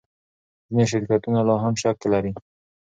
ځینې شرکتونه لا هم شک لري.